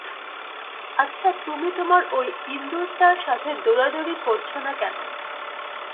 আচ্ছা, তুমি তোমার ঐ ইন্দুরটার সাথে দৌড়াদৌড়ি করছো না কেন?